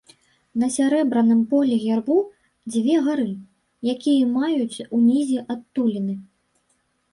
На сярэбраным полі гербу дзве гары, якія маюць унізе адтуліны.